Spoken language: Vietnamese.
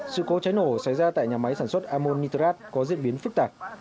sự cố cháy nổ xảy ra tại nhà máy sản xuất amonirat có diễn biến phức tạp